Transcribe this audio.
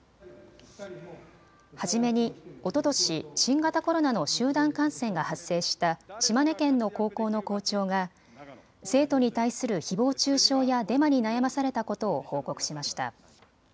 初めにおととし新型コロナの集団感染が発生した島根県の高校の校長が生徒に対するひぼう中傷やデマに悩まされたことを報告しました。